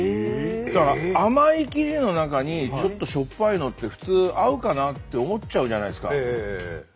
だから甘い生地の中にちょっとしょっぱいのって普通合うかな？って思っちゃうじゃないですか。